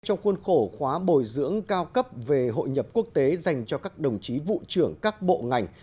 trong khuôn khổ khóa bồi dưỡng cao cấp về hội nhập quốc tế dành cho các đồng chí vụ trưởng các bộ ngành